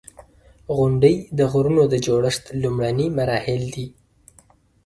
• غونډۍ د غرونو د جوړښت لومړني مراحل دي.